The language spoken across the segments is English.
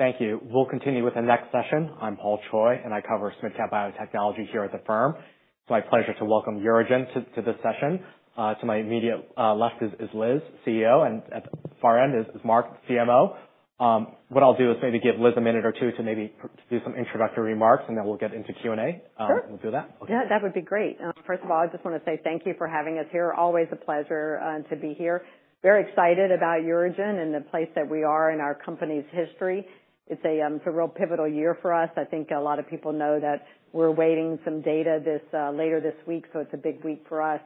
...Thank you. We'll continue with the next session. I'm Paul Choi, and I cover Goldman Sachs Biotechnology here at the firm. It's my pleasure to welcome UroGen to this session. To my immediate left is Liz, CEO, and at the far end is Mark, CMO. What I'll do is maybe give Liz a minute or two to maybe do some introductory remarks, and then we'll get into Q&A. Sure. We'll do that? Okay. Yeah, that would be great. First of all, I just wanna say thank you for having us here. Always a pleasure to be here. Very excited about UroGen and the place that we are in our company's history. It's a real pivotal year for us. I think a lot of people know that we're awaiting some data later this week, so it's a big week for us.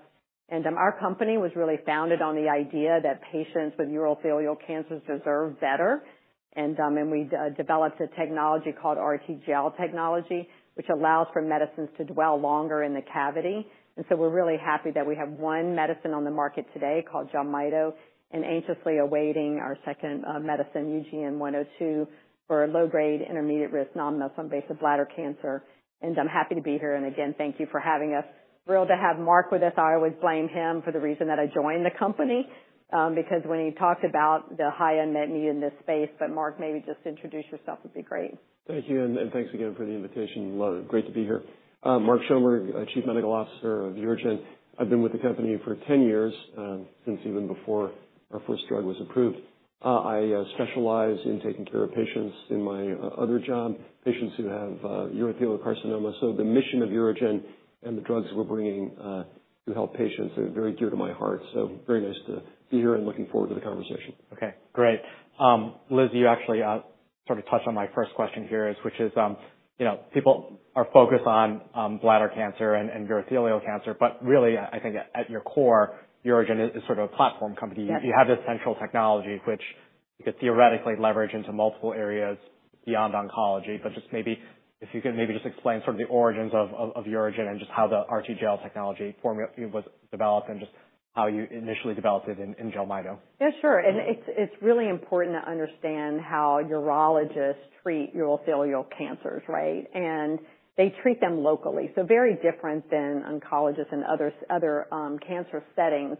Our company was really founded on the idea that patients with urothelial cancers deserve better. We developed a technology called RTGel technology, which allows for medicines to dwell longer in the cavity. So we're really happy that we have one medicine on the market today called Jelmyto, and anxiously awaiting our second medicine, UGN-102, for low-grade intermediate-risk non-muscle invasive bladder cancer. I'm happy to be here, and again, thank you for having us. Thrilled to have Mark with us. I always blame him for the reason that I joined the company, because when he talked about the high unmet need in this space, but Mark, maybe just introduce yourself would be great. Thank you, and thanks again for the invitation. Great to be here. Mark Schoenberg, Chief Medical Officer of UroGen. I've been with the company for 10 years, since even before our first drug was approved. I specialize in taking care of patients in my other job, patients who have urothelial carcinoma. The mission of UroGen and the drugs we're bringing to help patients are very dear to my heart, so very nice to be here and looking forward to the conversation. Okay, great. Liz, you actually sort of touched on my first question here, which is, you know, people are focused on bladder cancer and urothelial cancer, but really, I think at your core, UroGen is sort of a platform company. Yes. You have this central technology, which you could theoretically leverage into multiple areas beyond oncology, but just maybe if you could maybe just explain sort of the origins of UroGen and just how the RTGel technology formula was developed and just how you initially developed it in Jelmyto. Yeah, sure. And it's, it's really important to understand how urologists treat urothelial cancers, right? And they treat them locally, so very different than oncologists and others, other cancer settings.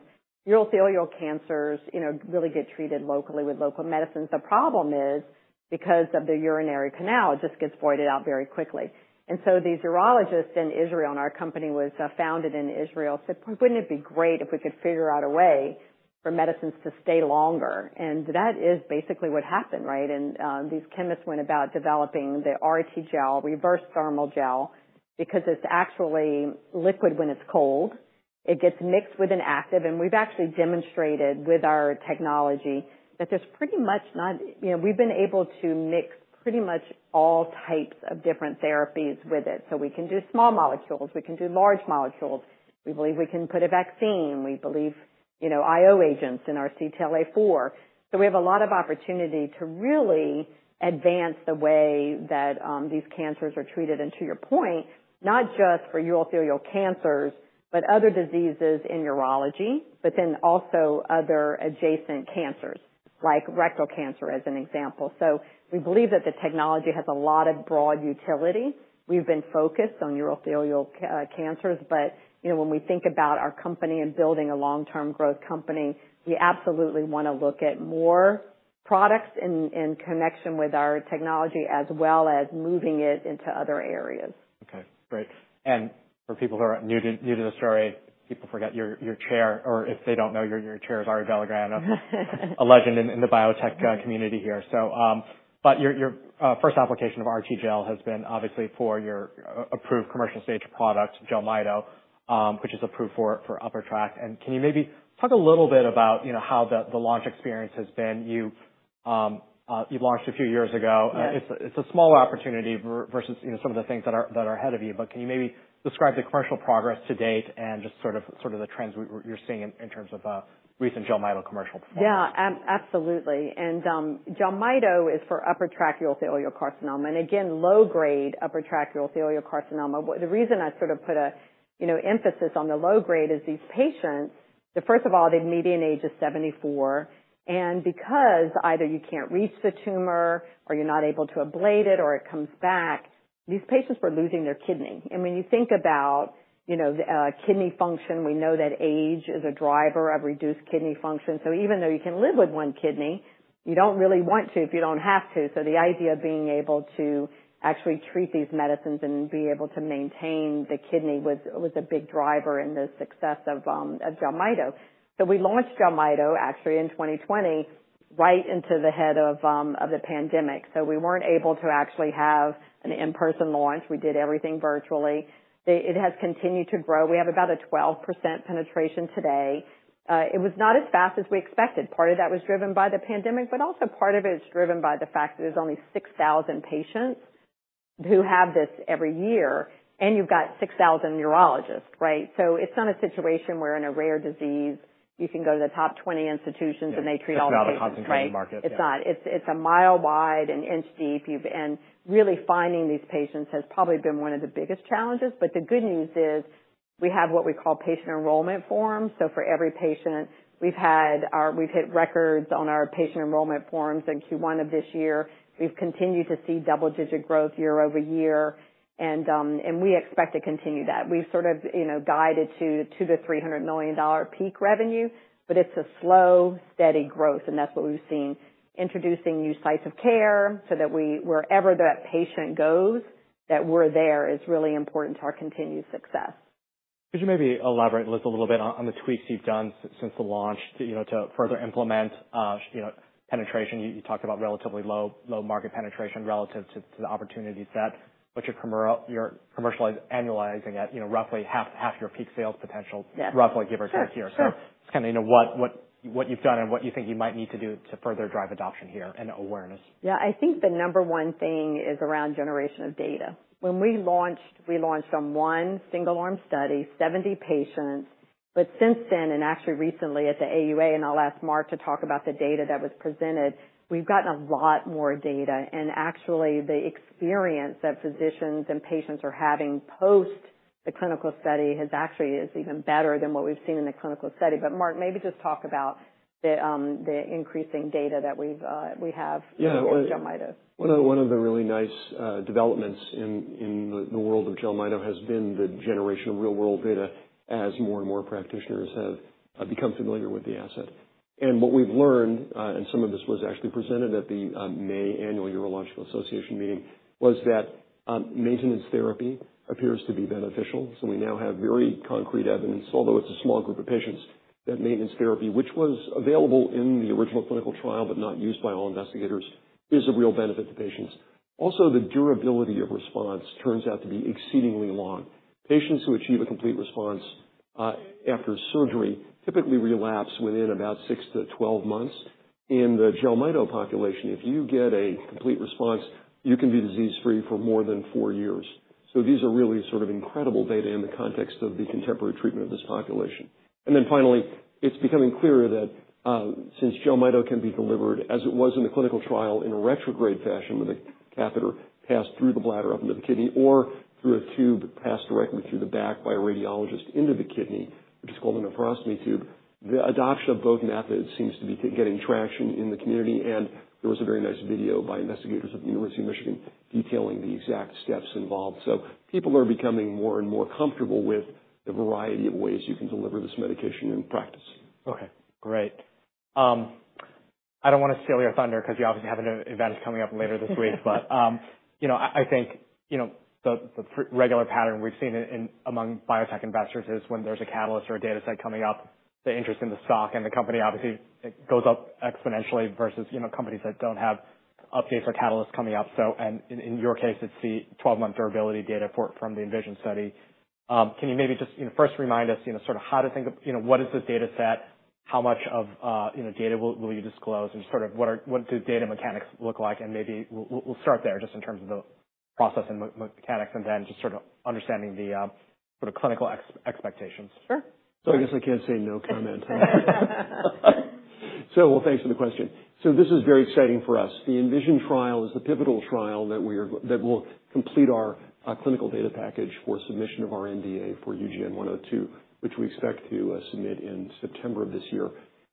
Urothelial cancers, you know, really get treated locally with local medicines. The problem is, because of the urinary canal, it just gets voided out very quickly. And so these urologists in Israel, and our company was founded in Israel, said, "Wouldn't it be great if we could figure out a way for medicines to stay longer?" And that is basically what happened, right? And these chemists went about developing the RTGel, reversed thermal gel, because it's actually liquid when it's cold. It gets mixed with an active, and we've actually demonstrated with our technology that there's pretty much not... You know, we've been able to mix pretty much all types of different therapies with it. So we can do small molecules, we can do large molecules. We believe we can put a vaccine, we believe, you know, IO agents in our CTLA-4. So we have a lot of opportunity to really advance the way that these cancers are treated, and to your point, not just for urothelial cancers, but other diseases in urology, but then also other adjacent cancers, like rectal cancer as an example. So we believe that the technology has a lot of broad utility. We've been focused on urothelial cancers, but, you know, when we think about our company and building a long-term growth company, we absolutely wanna look at more products in connection with our technology, as well as moving it into other areas. Okay, great. And for people who are new to the story, people forget your chair is Arie Belldegrun, a legend in the biotech community here. So, your first application of RTGel has been obviously for your approved commercial stage product, Jelmyto, which is approved for upper tract. And can you maybe talk a little bit about, you know, how the launch experience has been? You've launched a few years ago. Yes. It's a small opportunity versus, you know, some of the things that are ahead of you, but can you maybe describe the commercial progress to date and just sort of the trends you're seeing in terms of recent Jelmyto commercial performance? Yeah, absolutely. And, Jelmyto is for upper tract urothelial carcinoma, and again, low-grade upper tract urothelial carcinoma. But the reason I sort of put you know emphasis on the low-grade is these patients, so first of all, the median age is 74, and because either you can't reach the tumor or you're not able to ablate it or it comes back, these patients were losing their kidney. And when you think about you know kidney function, we know that age is a driver of reduced kidney function. So even though you can live with one kidney, you don't really want to if you don't have to. So the idea of being able to actually treat these medicines and be able to maintain the kidney was a big driver in the success of Jelmyto. So we launched Jelmyto actually in 2020, right into the head of, of the pandemic. So we weren't able to actually have an in-person launch. We did everything virtually. It has continued to grow. We have about a 12% penetration today. It was not as fast as we expected. Part of that was driven by the pandemic, but also part of it is driven by the fact that there's only 6,000 patients who have this every year, and you've got 6,000 urologists, right? So it's not a situation where in a rare disease, you can go to the top 20 institutions- Yeah... and they treat all the patients, right? It's not a concentrated market. It's not. It's a mile wide and inch deep, and really finding these patients has probably been one of the biggest challenges, but the good news is we have what we call patient enrollment forms. So for every patient, we've hit records on our patient enrollment forms in Q1 of this year. We've continued to see double-digit growth year-over-year, and we expect to continue that. We've sort of, you know, guided to $200 million-$300 million peak revenue, but it's a slow, steady growth, and that's what we've seen. Introducing new sites of care so that wherever that patient goes, that we're there, is really important to our continued success. Could you maybe elaborate, Liz, a little bit on the tweaks you've done since the launch to, you know, to further implement, you know, penetration? You talked about relatively low market penetration relative to the opportunity set, but you're commercializing annualizing at, you know, roughly half your peak sales potential- Yes. roughly, give or take here. Sure, sure. Just kind of, you know, what you've done and what you think you might need to do to further drive adoption here and awareness. Yeah, I think the number one thing is around generation of data. When we launched, we launched on one single-arm study, 70 patients. But since then, and actually recently at the AUA, and I'll ask Mark to talk about the data that was presented, we've gotten a lot more data. And actually, the experience that physicians and patients are having post the clinical study has actually is even better than what we've seen in the clinical study. But Mark, maybe just talk about the increasing data that we've we have- Yeah. -for Jelmyto. One of the really nice developments in the world of Jelmyto has been the generation of real-world data as more and more practitioners have become familiar with the asset. What we've learned, and some of this was actually presented at the May American Urological Association meeting, was that maintenance therapy appears to be beneficial. We now have very concrete evidence, although it's a small group of patients, that maintenance therapy, which was available in the original clinical trial but not used by all investigators, is a real benefit to patients. Also, the durability of response turns out to be exceedingly long. Patients who achieve a complete response after surgery typically relapse within about six to 12 months. In the Jelmyto population, if you get a complete response, you can be disease-free for more than four years. So these are really sort of incredible data in the context of the contemporary treatment of this population. And then finally, it's becoming clearer that since Jelmyto can be delivered, as it was in the clinical trial, in a retrograde fashion, with a catheter passed through the bladder up into the kidney or through a tube passed directly through the back by a radiologist into the kidney, which is called a nephrostomy tube. The adoption of both methods seems to be getting traction in the community, and there was a very nice video by investigators at the University of Michigan detailing the exact steps involved. So people are becoming more and more comfortable with the variety of ways you can deliver this medication in practice. Okay, great. I don't want to steal your thunder because you obviously have an event coming up later this week. But, you know, I think, you know, the regular pattern we've seen in among biotech investors is when there's a catalyst or a data set coming up, the interest in the stock and the company, obviously it goes up exponentially versus, you know, companies that don't have updates or catalysts coming up. So, and in your case, it's the twelve-month durability data from the ENVISION study. Can you maybe just, you know, first remind us, you know, sort of how to think of, you know, what is this data set? How much of, you know, data will you disclose, and sort of what do data mechanics look like? Maybe we'll start there just in terms of the process and mechanics, and then just sort of understanding the sort of clinical expectations. Sure. So I guess I can't say no comment. Well, thanks for the question. This is very exciting for us. The ENVISION trial is the pivotal trial that will complete our clinical data package for submission of our NDA for UGN-102, which we expect to submit in September of this year.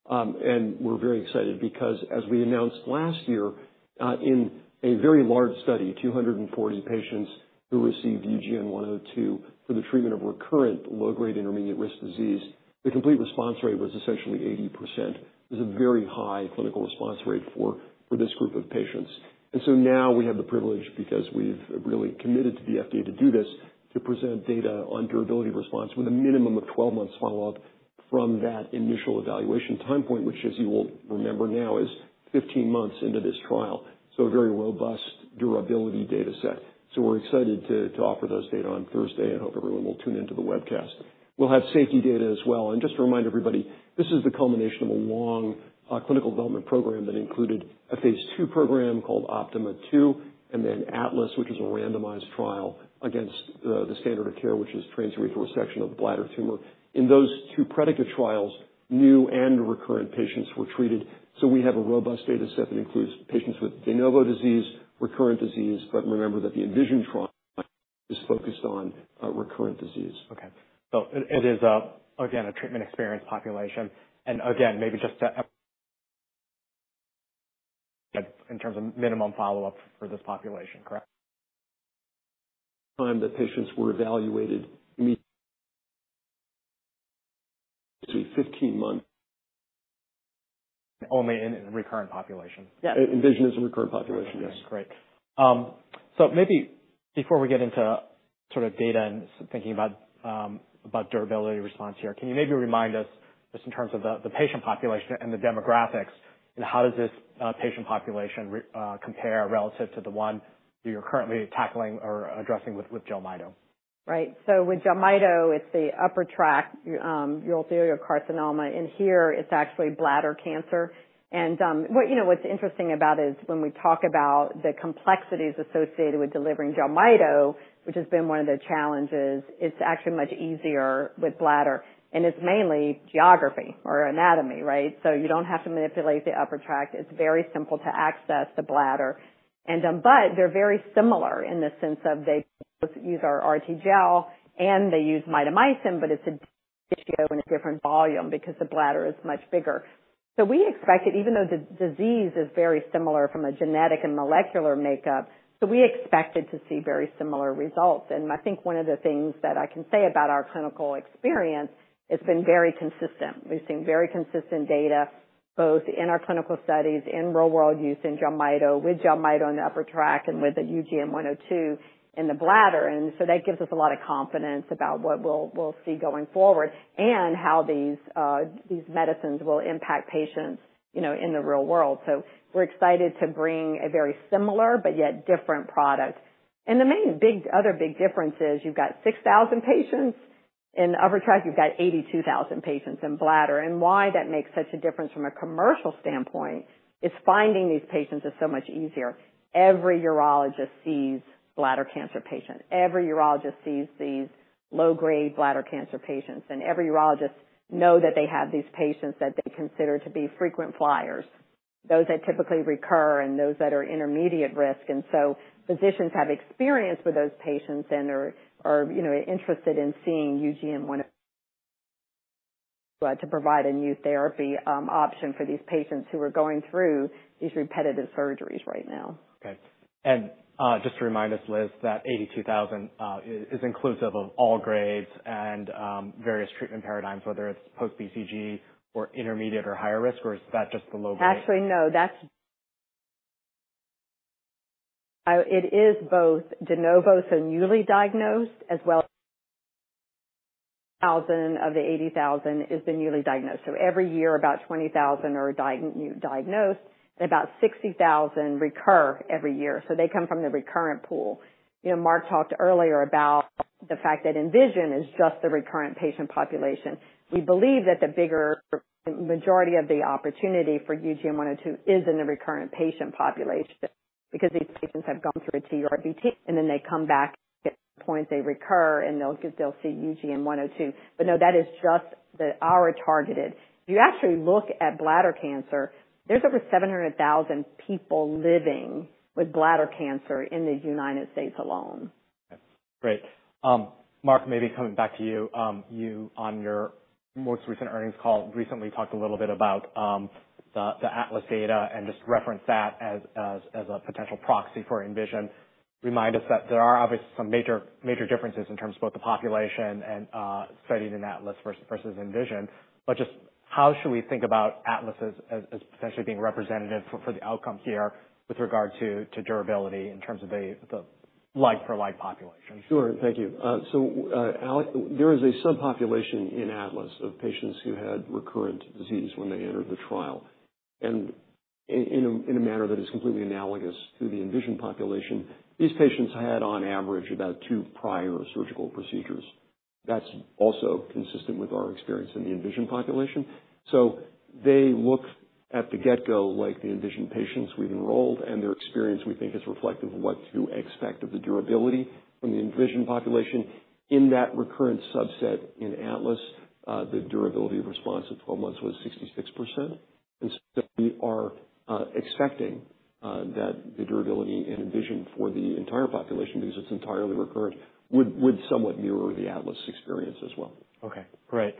And we're very excited because, as we announced last year, in a very large study, 240 patients who received UGN-102 for the treatment of recurrent low-grade intermediate-risk disease, the complete response rate was essentially 80%. It's a very high clinical response rate for this group of patients. So now we have the privilege, because we've really committed to the FDA to do this, to present data on durability response with a minimum of 12 months follow-up from that initial evaluation time point, which, as you will remember now, is 15 months into this trial. So a very robust durability data set. So we're excited to offer those data on Thursday and hope everyone will tune in to the webcast. We'll have safety data as well. And just to remind everybody, this is the culmination of a long clinical development program that included a phase II program called OPTIMA II, and then ATLAS, which is a randomized trial against the standard of care, which is transurethral resection of the bladder tumor. In those two predicate trials, new and recurrent patients were treated, so we have a robust data set that includes patients with de novo disease, recurrent disease, but remember that the ENVISION trial is focused on recurrent disease. Okay. So it, it is, again, a treatment-experienced population. And again, maybe just to... In terms of minimum follow-up for this population, correct? Time that patients were evaluated to 15 months. Only in recurrent population? Yeah, ENVISION is a recurrent population, yes. Great. So maybe before we get into sort of data and thinking about durability response here, can you maybe remind us just in terms of the patient population and the demographics, and how does this patient population compare relative to the one you're currently tackling or addressing with Jelmyto? Right. So with Jelmyto, it's the upper tract urothelial carcinoma, and here it's actually bladder cancer. And, what, you know, what's interesting about is when we talk about the complexities associated with delivering Jelmyto, which has been one of the challenges, it's actually much easier with bladder, and it's mainly geography or anatomy, right? So you don't have to manipulate the upper tract. It's very simple to access the bladder. And, but they're very similar in the sense of they both use our RTGel and they use mitomycin, but it's tissue in a different volume because the bladder is much bigger. So we expect it, even though the disease is very similar from a genetic and molecular makeup, so we expected to see very similar results. And I think one of the things that I can say about our clinical experience, it's been very consistent. We've seen very consistent data, both in our clinical studies, in real world use, in Jelmyto, with Jelmyto in the upper tract and with the UGN-102 in the bladder. And so that gives us a lot of confidence about what we'll see going forward and how these medicines will impact patients, you know, in the real world. So we're excited to bring a very similar but yet different product. And the main big, other big difference is you've got 6,000 patients in the upper tract, you've got 82,000 patients in bladder. And why that makes such a difference from a commercial standpoint is finding these patients is so much easier. Every urologist sees bladder cancer patients. Every urologist sees these low-grade bladder cancer patients, and every urologist know that they have these patients that they consider to be frequent flyers, those that typically recur and those that are intermediate risk. And so physicians have experience with those patients and are, you know, interested in seeing UGN-102... to provide a new therapy option for these patients who are going through these repetitive surgeries right now. Okay. Just to remind us, Liz, that 82,000 is inclusive of all grades and various treatment paradigms, whether it's post BCG or intermediate or higher risk, or is that just the low-grade? Actually, no, that's... It is both de novo and newly diagnosed, as well... 20,000 of the 80,000 has been newly diagnosed. So every year, about 20,000 are newly diagnosed, and about 60,000 recur every year. So they come from the recurrent pool. You know, Mark talked earlier about the fact that ENVISION is just the recurrent patient population. We believe that the bigger, majority of the opportunity for UGN-102 is in the recurrent patient population, because these patients have gone through a TURBT, and then they come back, at point they recur, and they'll see UGN-102. But no, that is just the, our targeted. You actually look at bladder cancer, there's over 700,000 people living with bladder cancer in the United States alone. Great. Mark, maybe coming back to you, you on your most recent earnings call, recently talked a little bit about the ATLAS data and just reference that as a potential proxy for ENVISION. Remind us that there are obviously some major differences in terms of both the population and studying in ATLAS versus ENVISION. But just how should we think about ATLAS as potentially being representative for the outcome here with regard to durability in terms of the like-for-like population? Sure. Thank you. So, Alex, there is a subpopulation in ATLAS of patients who had recurrent disease when they entered the trial. In a manner that is completely analogous to the ENVISION population, these patients had, on average, about two prior surgical procedures. That's also consistent with our experience in the ENVISION population. So they look from the get-go, like the ENVISION patients we've enrolled, and their experience, we think, is reflective of what to expect of the durability from the ENVISION population. In that recurrent subset in ATLAS, the durability of response at 12 months was 66%. So we are expecting that the durability in ENVISION for the entire population, because it's entirely recurrent, would somewhat mirror the ATLAS experience as well. Okay, great.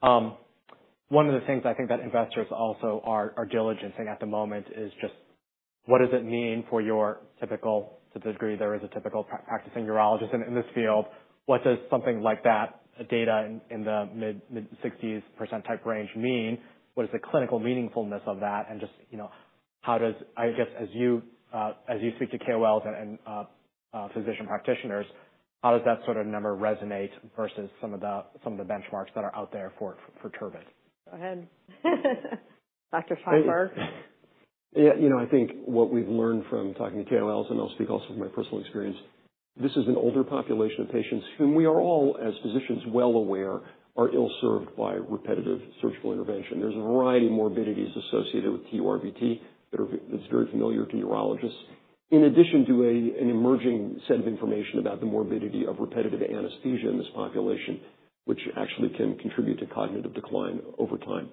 One of the things I think that investors also are diligencing at the moment is just what does it mean for your typical, to the degree there is a typical practicing urologist in this field? What does something like that, data in the mid-60s% type range mean? What is the clinical meaningfulness of that, and just, you know, how does I guess, as you speak to KOLs and physician practitioners, how does that sort of number resonate versus some of the benchmarks that are out there for TURBT? Go ahead. Dr. Schoenberg. Yeah, you know, I think what we've learned from talking to KOLs, and I'll speak also from my personal experience, this is an older population of patients whom we are all, as physicians, well aware are ill-served by repetitive surgical intervention. There's a variety of morbidities associated with TURBT that are, that's very familiar to urologists. In addition to an emerging set of information about the morbidity of repetitive anesthesia in this population, which actually can contribute to cognitive decline over time.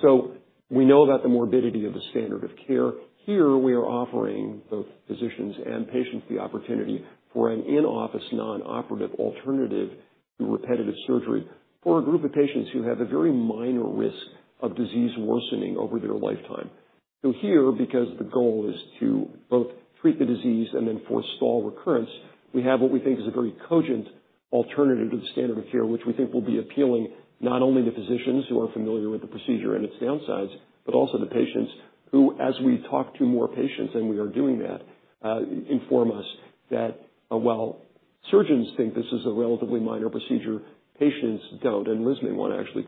So we know about the morbidity of the standard of care. Here we are offering both physicians and patients the opportunity for an in-office, non-operative alternative to repetitive surgery for a group of patients who have a very minor risk of disease worsening over their lifetime. So here, because the goal is to both treat the disease and then forestall recurrence, we have what we think is a very cogent alternative to the standard of care, which we think will be appealing not only to physicians who are familiar with the procedure and its downsides, but also the patients, who, as we talk to more patients, and we are doing that, inform us that, while surgeons think this is a relatively minor procedure, patients don't, and Liz may want to actually-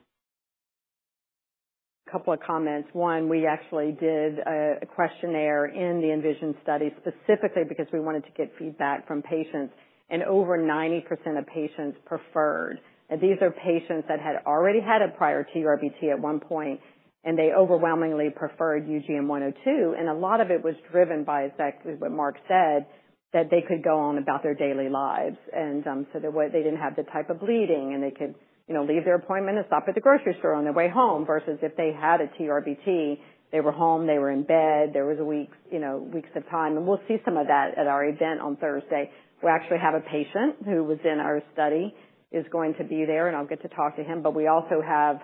A couple of comments. One, we actually did a questionnaire in the ENVISION study, specifically because we wanted to get feedback from patients... and over 90% of patients preferred. And these are patients that had already had a prior TURBT at one point, and they overwhelmingly preferred UGN-102, and a lot of it was driven by the fact, is what Mark said, that they could go on about their daily lives. And, so they didn't have the type of bleeding, and they could, you know, leave their appointment and stop at the grocery store on their way home, versus if they had a TURBT, they were home, they were in bed. There was a week, you know, weeks of time, and we'll see some of that at our event on Thursday. We actually have a patient who was in our study, is going to be there, and I'll get to talk to him. But we also have,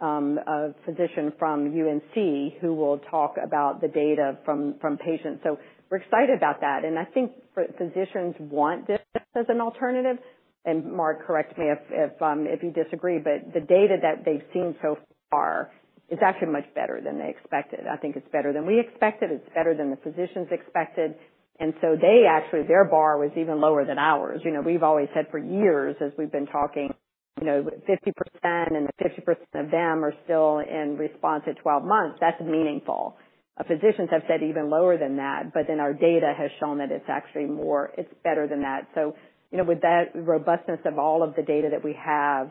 a physician from UNC who will talk about the data from, from patients. So we're excited about that. And I think for physicians want this as an alternative, and Mark, correct me if, if, if you disagree, but the data that they've seen so far is actually much better than they expected. I think it's better than we expected. It's better than the physicians expected, and so they actually, their bar was even lower than ours. You know, we've always said for years, as we've been talking, you know, 50% and 50% of them are still in response at 12 months. That's meaningful. Physicians have said even lower than that, but then our data has shown that it's actually more, it's better than that. So, you know, with that robustness of all of the data that we have,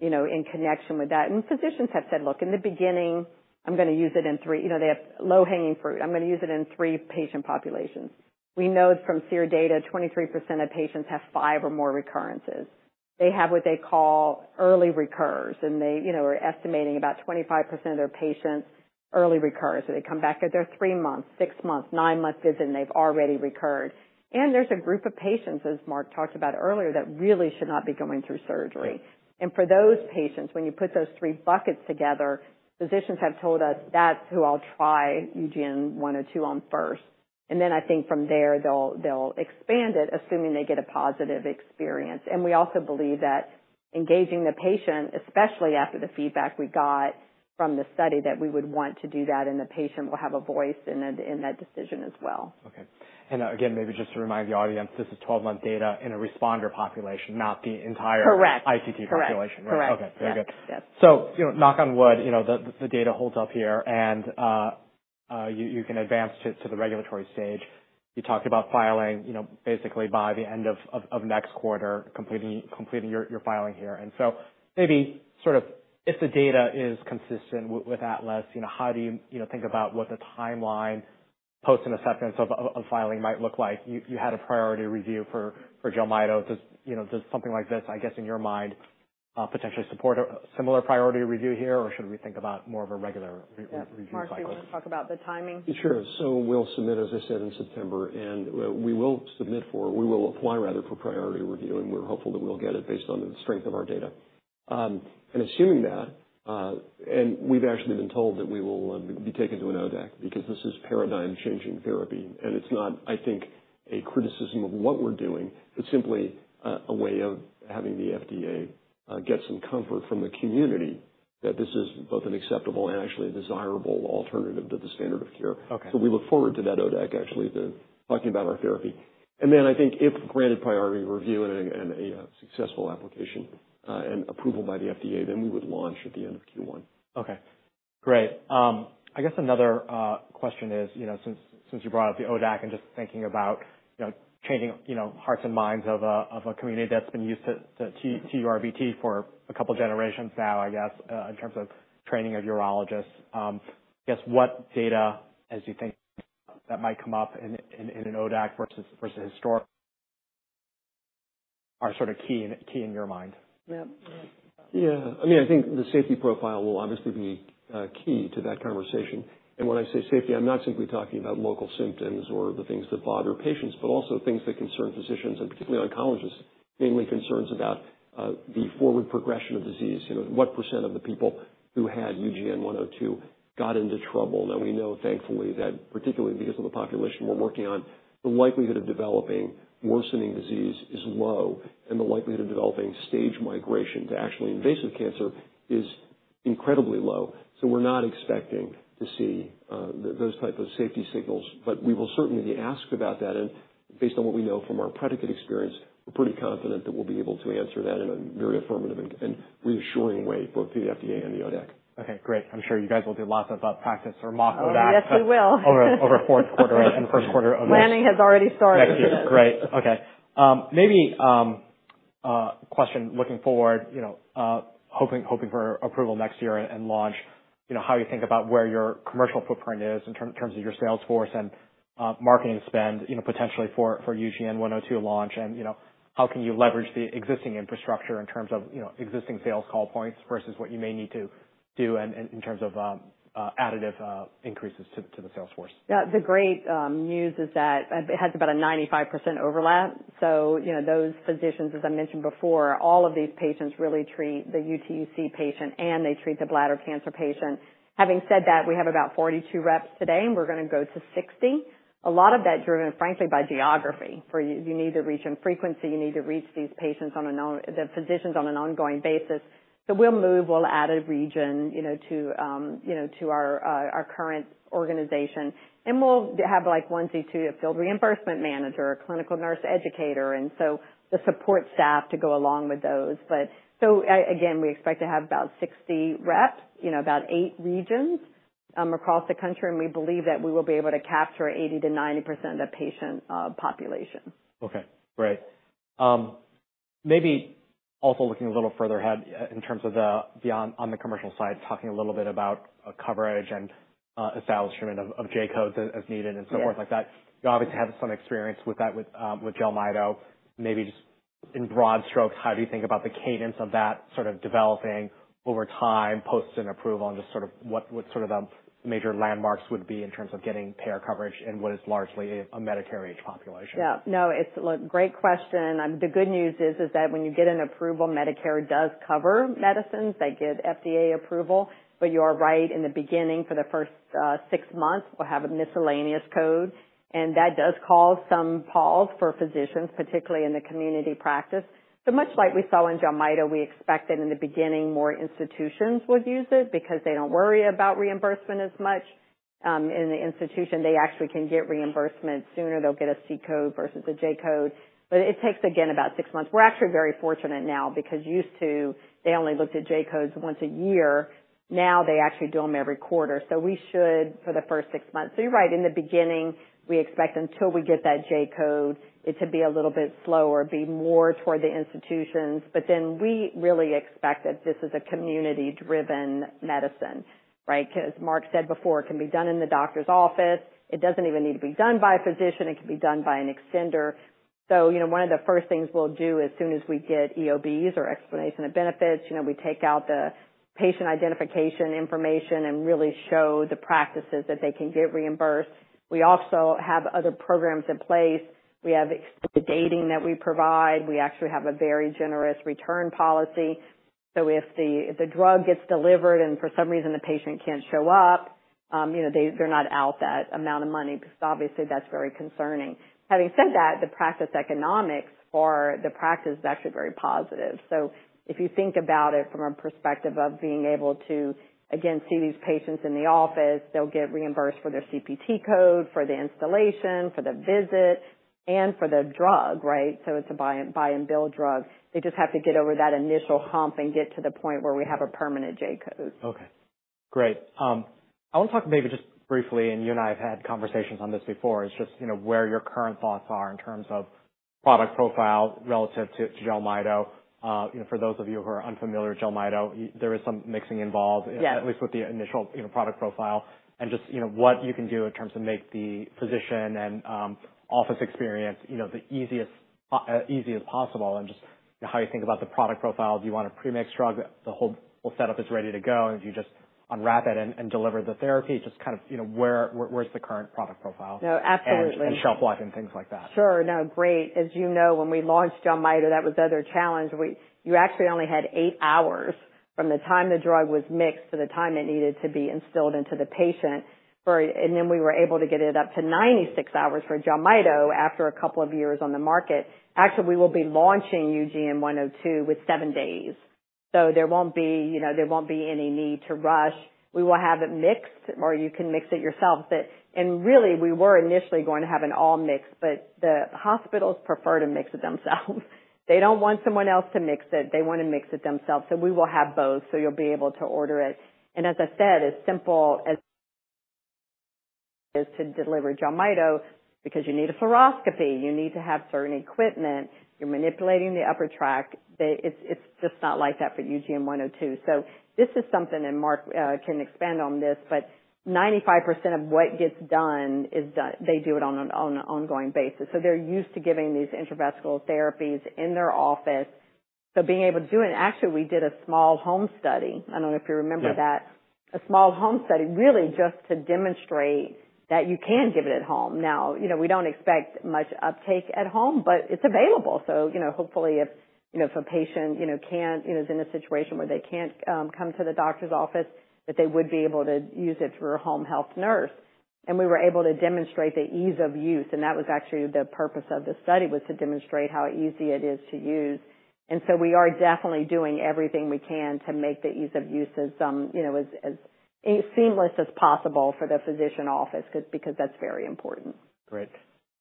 you know, in connection with that, and physicians have said, "Look, in the beginning, I'm gonna use it in 3..." You know, they have low-hanging fruit. "I'm gonna use it in 3 patient populations." We know from SEER data, 23% of patients have 5 or more recurrences. They have what they call early recurs, and they, you know, are estimating about 25% of their patients early recur. So they come back at their 3-month, 6-month, 9-month visit, and they've already recurred. And there's a group of patients, as Mark talked about earlier, that really should not be going through surgery. For those patients, when you put those three buckets together, physicians have told us, "That's who I'll try UGN-102 on first." Then I think from there, they'll expand it, assuming they get a positive experience. We also believe that engaging the patient, especially after the feedback we got from the study, that we would want to do that, and the patient will have a voice in that decision as well. Okay. And again, maybe just to remind the audience, this is 12-month data in a responder population, not the entire- Correct. - ITT population. Correct. Okay, very good. Yes. So, you know, knock on wood, you know, the data holds up here, and you can advance to the regulatory stage. You talked about filing, you know, basically by the end of next quarter, completing your filing here. And so maybe sort of if the data is consistent with Atlas, you know, how do you, you know, think about what the timeline post an acceptance of filing might look like? You had a priority review for Jelmyto. Does you know, does something like this, I guess, in your mind, potentially support a similar priority review here, or should we think about more of a regular re-review cycle? Mark, do you want to talk about the timing? Sure. So we'll submit, as I said, in September, and we will apply rather for priority review, and we're hopeful that we'll get it based on the strength of our data. And assuming that, and we've actually been told that we will be taken to an ODAC because this is paradigm-changing therapy. And it's not, I think, a criticism of what we're doing, it's simply a way of having the FDA get some comfort from the community that this is both an acceptable and actually a desirable alternative to the standard of care. Okay. So we look forward to that ODAC actually talking about our therapy. And then I think if granted priority review and a successful application and approval by the FDA, then we would launch at the end of Q1. Okay, great. I guess another question is, you know, since you brought up the ODAC and just thinking about, you know, changing, you know, hearts and minds of a community that's been used to TURBT for a couple generations now, I guess, in terms of training of urologists, I guess, what data as you think that might come up in an ODAC versus historic are sort of key in your mind? Yeah. Yeah. Yeah. I mean, I think the safety profile will obviously be key to that conversation. And when I say safety, I'm not simply talking about local symptoms or the things that bother patients, but also things that concern physicians and particularly oncologists, mainly concerns about the forward progression of disease. You know, what % of the people who had UGN-102 got into trouble? Now, we know, thankfully, that particularly because of the population we're working on, the likelihood of developing worsening disease is low, and the likelihood of developing stage migration to actually invasive cancer is incredibly low. So we're not expecting to see those type of safety signals, but we will certainly be asked about that. Based on what we know from our predicate experience, we're pretty confident that we'll be able to answer that in a very affirmative and reassuring way, both to the FDA and the ODAC. Okay, great. I'm sure you guys will do lots of practice or mock ODACs- Yes, we will. over fourth quarter and first quarter of this. Planning has already started. Great. Okay, maybe question looking forward, you know, hoping for approval next year and launch, you know, how you think about where your commercial footprint is in terms of your sales force and marketing spend, you know, potentially for UGN-102 launch, and, you know, how can you leverage the existing infrastructure in terms of existing sales call points versus what you may need to do in terms of additive increases to the sales force? Yeah, the great news is that it has about a 95% overlap. So, you know, those physicians, as I mentioned before, all of these patients really treat the UTUC patient, and they treat the bladder cancer patient. Having said that, we have about 42 reps today, and we're going to go to 60. A lot of that driven, frankly, by geography. For you, you need to reach in frequency, you need to reach these physicians on an ongoing basis. So we'll move, we'll add a region, you know, to our current organization, and we'll have like one to two field reimbursement manager, a clinical nurse educator, and so the support staff to go along with those. But so again, we expect to have about 60 reps, you know, about eight regions.... Across the country, and we believe that we will be able to capture 80%-90% of patient population. Okay, great. Maybe also looking a little further ahead in terms of the beyond, on the commercial side, talking a little bit about coverage and establishment of J-codes as needed and so forth like that. Yes. You obviously have some experience with that, with Jelmyto. Maybe just in broad strokes, how do you think about the cadence of that sort of developing over time, post and approval, and just sort of what sort of the major landmarks would be in terms of getting payer coverage in what is largely a Medicare age population? Yeah, no, it's a great question, and the good news is, is that when you get an approval, Medicare does cover medicines that get FDA approval. But you are right, in the beginning, for the first 6 months, we'll have a miscellaneous code, and that does cause some pause for physicians, particularly in the community practice. So much like we saw in Jelmyto, we expected in the beginning, more institutions would use it because they don't worry about reimbursement as much. In the institution, they actually can get reimbursement sooner. They'll get a C code versus a J code, but it takes, again, about 6 months. We're actually very fortunate now because used to, they only looked at J codes once a year. Now they actually do them every quarter, so we should for the first 6 months. So you're right. In the beginning, we expect until we get that J-code, it should be a little bit slower, be more toward the institutions. But then we really expect that this is a community-driven medicine, right? Because Mark said before, it can be done in the doctor's office. It doesn't even need to be done by a physician. It can be done by an extender. So, you know, one of the first things we'll do as soon as we get EOBs or explanation of benefits, you know, we take out the patient identification information and really show the practices that they can get reimbursed. We also have other programs in place. We have extended dating that we provide. We actually have a very generous return policy. So if the drug gets delivered and for some reason the patient can't show up, you know, they're not out that amount of money because obviously that's very concerning. Having said that, the practice economics for the practice is actually very positive. So if you think about it from a perspective of being able to, again, see these patients in the office, they'll get reimbursed for their CPT code, for the instillation, for the visit, and for the drug, right? So it's a buy-and-bill drug. They just have to get over that initial hump and get to the point where we have a permanent J code. Okay, great. I want to talk maybe just briefly, and you and I have had conversations on this before, is just, you know, where your current thoughts are in terms of product profile relative to, to Jelmyto. You know, for those of you who are unfamiliar with Jelmyto, there is some mixing involved- Yes. At least with the initial, you know, product profile, and just, you know, what you can do in terms of make the physician and office experience, you know, the easiest, easy as possible, and just how you think about the product profile. Do you want a pre-mixed drug? The whole setup is ready to go, and you just unwrap it and deliver the therapy. Just kind of, you know, where's the current product profile? No, absolutely. Shelf life and things like that. Sure. No, great. As you know, when we launched Jelmyto, that was the other challenge. We- you actually only had eight hours from the time the drug was mixed to the time it needed to be instilled into the patient. For, and then we were able to get it up to 96 hours for Jelmyto after a couple of years on the market. Actually, we will be launching UGN-102 with seven days, so there won't be, you know, there won't be any need to rush. We will have it mixed, or you can mix it yourself. But, and really, we were initially going to have it all mixed, but the hospitals prefer to mix it themselves. They don't want someone else to mix it. They want to mix it themselves. So we will have both, so you'll be able to order it. As I said, as simple as it is to deliver Jelmyto because you need a fluoroscopy, you need to have certain equipment, you're manipulating the upper tract. It's just not like that for UGN-102. So this is something, and Mark can expand on this, but 95% of what gets done is done. They do it on an ongoing basis. So they're used to giving these intravesical therapies in their office. So being able to do it, actually, we did a small home study. I don't know if you remember that. Yeah. A small home study, really just to demonstrate that you can give it at home. Now, you know, we don't expect much uptake at home, but it's available. So, you know, hopefully, if, you know, if a patient, you know, can't, you know, is in a situation where they can't come to the doctor's office, that they would be able to use it through a home health nurse. And we were able to demonstrate the ease of use, and that was actually the purpose of the study, was to demonstrate how easy it is to use. And so we are definitely doing everything we can to make the ease of use as, you know, as, as seamless as possible for the physician office, because, because that's very important. Great.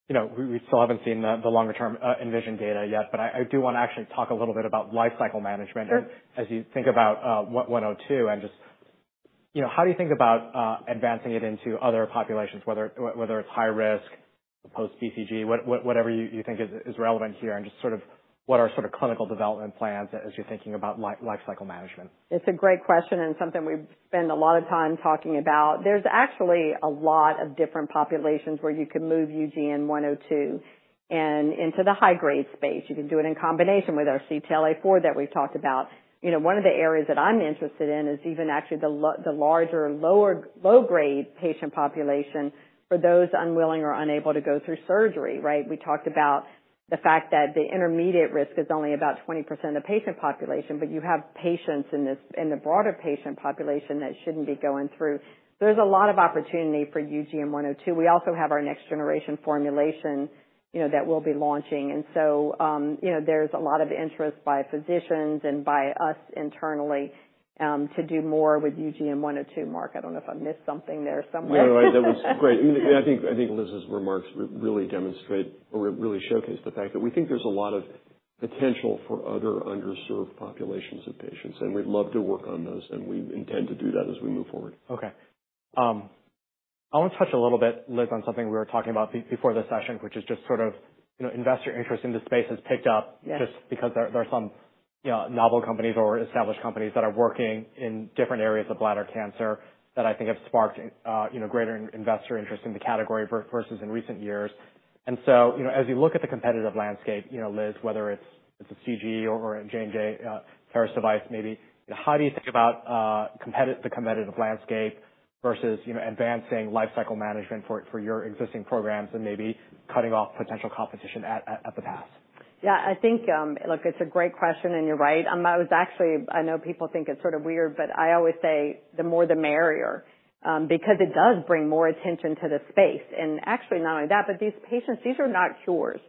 You know, we still haven't seen the longer term, uh, ENVISION data yet, but I do want to actually talk a little bit about lifecycle management- Sure... as you think about what 102 and just, you know, how do you think about advancing it into other populations, whether it's high risk, post BCG, what- whatever you think is relevant here and just sort of what are sort of clinical development plans as you're thinking about lifecycle management? It's a great question and something we've spent a lot of time talking about. There's actually a lot of different populations where you can move UGN-102 into the high-grade space. You can do it in combination with our CTLA-4 that we've talked about. You know, one of the areas that I'm interested in is even actually the larger, lower, low-grade patient population for those unwilling or unable to go through surgery, right? We talked about the fact that the intermediate risk is only about 20% of the patient population, but you have patients in this, in the broader patient population that shouldn't be going through. There's a lot of opportunity for UGN-102. We also have our next generation formulation, you know, that we'll be launching. You know, there's a lot of interest by physicians and by us internally, to do more with UGN-102. Mark, I don't know if I missed something there somewhere. No, that was great. I think Liz's remarks really demonstrate or really showcase the fact that we think there's a lot of potential for other underserved populations of patients, and we'd love to work on those, and we intend to do that as we move forward. Okay. I want to touch a little bit, Liz, on something we were talking about before the session, which is just sort of, you know, investor interest in this space has picked up- Yes. Just because there are some novel companies or established companies that are working in different areas of bladder cancer, that I think have sparked, you know, greater investor interest in the category versus in recent years. And so, you know, as you look at the competitive landscape, you know, Liz, whether it's a CG or a J&J, TARIS device, maybe, how do you think about the competitive landscape versus, you know, advancing life cycle management for your existing programs and maybe cutting off potential competition at the pass? Yeah, I think... Look, it's a great question, and you're right. I was actually, I know people think it's sort of weird, but I always say, the more the merrier, because it does bring more attention to the space. And actually, not only that, but these patients, these are not cures.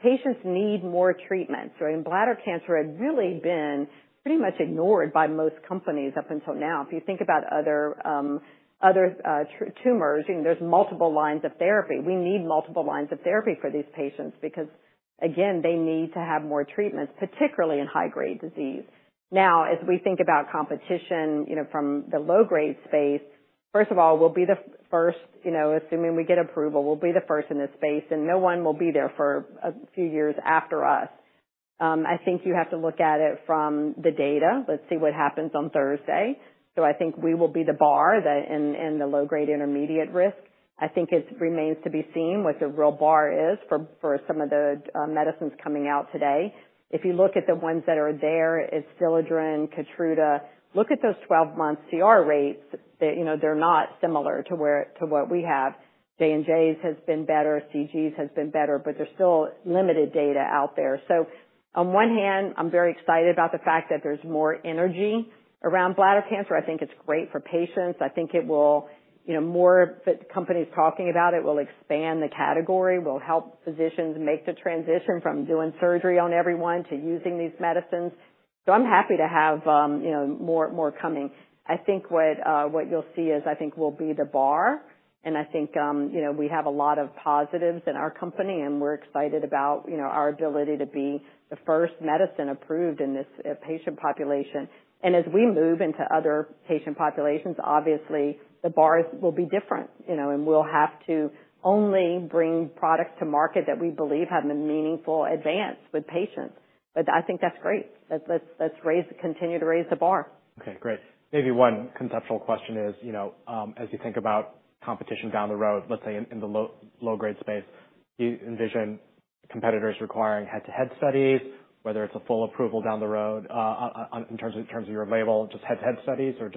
Patients need more treatments, right? And bladder cancer had really been pretty much ignored by most companies up until now. If you think about other, other, tumors, you know, there's multiple lines of therapy. We need multiple lines of therapy for these patients, because, again, they need to have more treatments, particularly in high-grade disease. Now, as we think about competition, you know, from the low-grade space, first of all, we'll be the first, you know, assuming we get approval, we'll be the first in this space, and no one will be there for a few years after us. I think you have to look at it from the data. Let's see what happens on Thursday. So I think we will be the bar that in the low-grade, intermediate risk. I think it remains to be seen what the real bar is for some of the medicines coming out today. If you look at the ones that are there, Adstiladrin, Keytruda. Look at those 12-month CR rates, they, you know, they're not similar to where, to what we have. J&J's has been better, CG's has been better, but there's still limited data out there. So on one hand, I'm very excited about the fact that there's more energy around bladder cancer. I think it's great for patients. I think it will. You know, more companies talking about it will expand the category, will help physicians make the transition from doing surgery on everyone to using these medicines. So I'm happy to have, you know, more, more coming. I think what, what you'll see is I think we'll be the bar, and I think, you know, we have a lot of positives in our company, and we're excited about, you know, our ability to be the first medicine approved in this, patient population. And as we move into other patient populations, obviously, the bars will be different, you know, and we'll have to only bring products to market that we believe have a meaningful advance with patients. But I think that's great. Let's continue to raise the bar. Okay, great. Maybe one conceptual question is, you know, as you think about competition down the road, let's say in the low-grade space, do you envision competitors requiring head-to-head studies, whether it's a full approval down the road, in terms of your label, just head-to-head studies? Or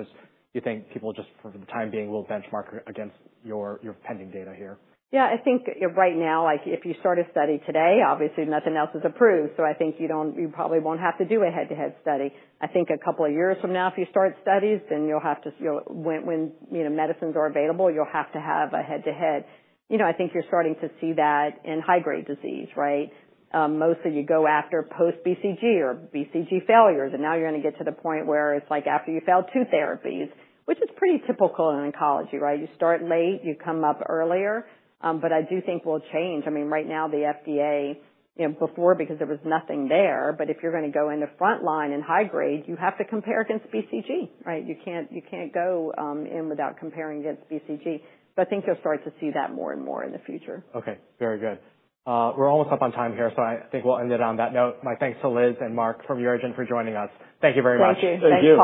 do you think people just, for the time being, will benchmark against your pending data here? Yeah, I think right now, like, if you start a study today, obviously nothing else is approved, so I think you don't-- you probably won't have to do a head-to-head study. I think a couple of years from now, if you start studies, then you'll have to, you know, when, you know, medicines are available, you'll have to have a head-to-head. You know, I think you're starting to see that in high-grade disease, right? Mostly you go after post BCG or BCG failures, and now you're going to get to the point where it's, like, after you fail two therapies, which is pretty typical in oncology, right? You start late, you come up earlier. But I do think we'll change. I mean, right now, the FDA, you know, before, because there was nothing there, but if you're going to go into front line and high grade, you have to compare against BCG, right? You can't, you can't go, in without comparing against BCG, but I think you'll start to see that more and more in the future. Okay, very good. We're almost up on time here, so I think we'll end it on that note. My thanks to Liz and Mark from UroGen for joining us. Thank you very much. Thank you. Thank you.